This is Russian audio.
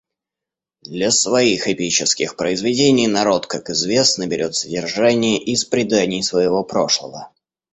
Для своих эпических произведений народ, как известно, берет содержание из преданий своего прошлого.